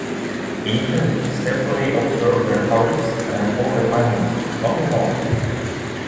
Agents stealthily observe their targets and report their findings, nothing more.